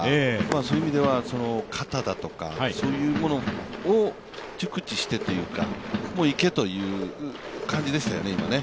そういう意味では肩だとか、そういうものを熟知してというかもう行けという感じでしたよね。